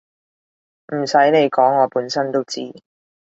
唔使你講我本身都知